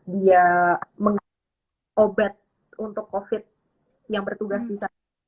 dia menggunakan obat untuk covid yang bertugas di sana